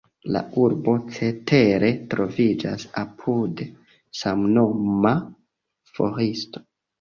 La urbo cetere troviĝas apud samnoma forsto.